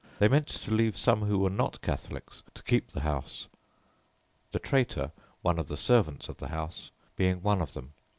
They meant to leave some who were not Catholics to keep the house, the traitor (one of the servants of the house) being one of them.